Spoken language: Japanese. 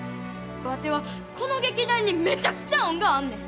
ワテはこの劇団にめちゃくちゃ恩があんねん。